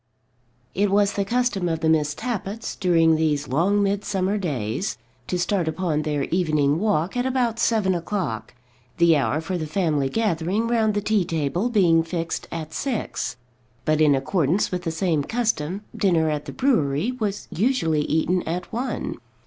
It was the custom of the Miss Tappitts, during these long midsummer days, to start upon their evening walk at about seven o'clock, the hour for the family gathering round the tea table being fixed at six. But, in accordance with the same custom, dinner at the brewery was usually eaten at one.